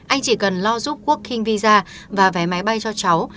anh chỉ cần lo giúp working visa và vé máy bay cho cháu